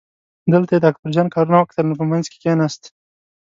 دلته یې د اکبرجان کارونه وکتل نو په منځ کې کیناست.